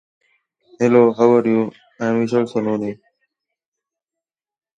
The band is now touring with Slightly Stoopid and Sly and Robbie.